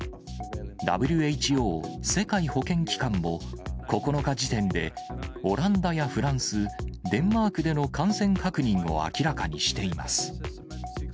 ＷＨＯ・世界保健機関も９日時点で、オランダやフランス、デンマークでの感染確認を明らかにしています。